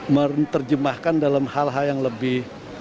menerjemahkan dalam hal hal yang lebih